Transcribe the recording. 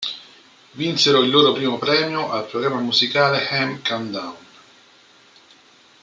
Vinsero il loro primo premio al programma musicale "M Countdown".